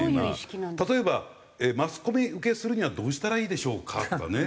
例えば「マスコミ受けするにはどうしたらいいでしょうか？」とかね